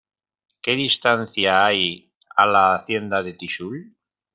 ¿ qué distancia hay a la Hacienda de Tixul?